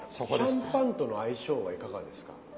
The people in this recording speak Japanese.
シャンパンとの相性はいかがですか？